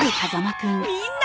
みんな！